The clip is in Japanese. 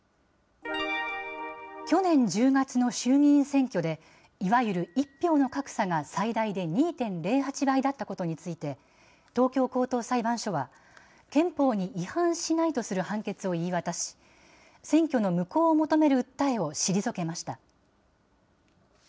去年１０月の衆議院選挙で、いわゆる１票の格差が最大で２．０８倍だったことについて、東京高等裁判所は、憲法に違反しないとする判決を言い渡し、選挙の無効を求める訴えを退けました。